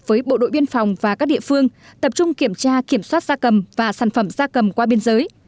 với bộ đội biên phòng và các địa phương tập trung kiểm tra kiểm soát da cầm và sản phẩm da cầm qua biên giới